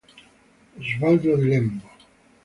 Osvaldo Di Lembo